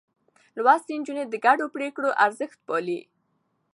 لوستې نجونې د ګډو پرېکړو ارزښت پالي.